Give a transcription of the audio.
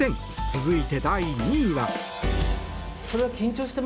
続いて、第２位は。